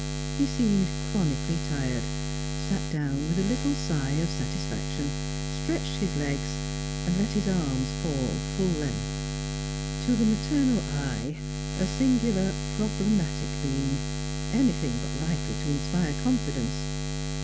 He seemed chronically tired; sat down with a little sigh of satisfaction; stretched his legs, and let his arms fall full length. To the maternal eye, a singular, problematic being, anything but likely to inspire confidence.